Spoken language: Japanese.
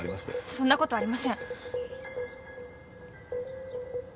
そんなことありません。